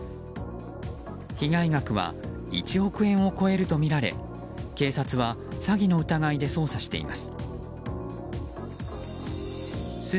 被害額は１億円を超えるとみられ警察は詐欺の疑いで捜査しています。